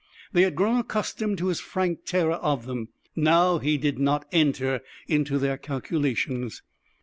They had grown accustomed to his frank terror of them. Now he did not enter into their calculations.